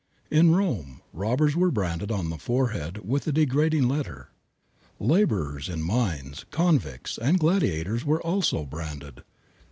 In Rome robbers were branded on the forehead with a degrading letter. Laborers in mines, convicts, and gladiators were also branded.